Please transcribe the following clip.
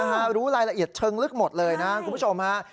รู้รายละเอียดเชิงลึกหมดเลยนะคุณผู้ชมฮะ